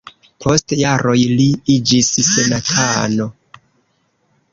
Post jaroj li iĝis senatano.